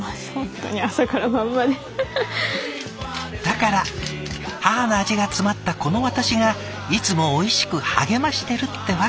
だから母の味が詰まったこの私がいつもおいしく励ましてるってわけ！